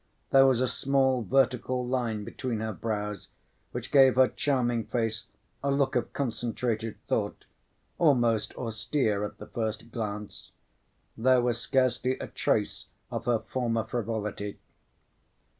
There was a small vertical line between her brows which gave her charming face a look of concentrated thought, almost austere at the first glance. There was scarcely a trace of her former frivolity.